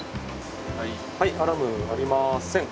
はいアラームありません。